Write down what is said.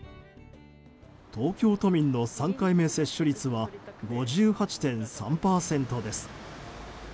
東京都民の３回目接種率は５８．３％です。